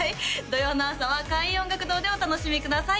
土曜の朝は開運音楽堂でお楽しみください